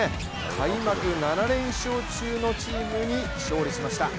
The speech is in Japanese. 開幕７連勝中のチームに勝利しました。